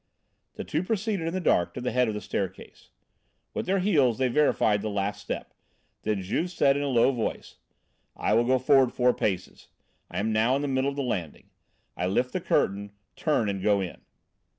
The two proceeded in the dark to the head of the staircase. With their heels they verified the last step; then Juve said in a low voice: "I will go forward four paces. I am now in the middle of the landing; I lift the curtain, turn and go in."